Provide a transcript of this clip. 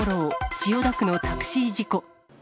千代田区のタクシー事故。